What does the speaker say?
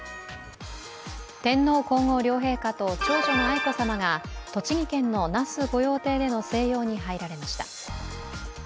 天皇皇后両陛下と長女の愛子さまが栃木県の那須御用邸での静養に入られました。